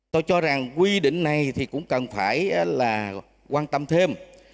tôi cho rằng quy định này thì cũng cần phải là quan tâm thêm